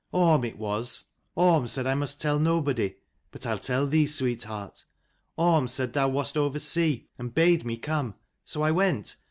"Orm, it was. Orm said I must tell nobody, but I'll tell thee, sweetheart. Orm said thou wast oversea, and bade me come. So I went.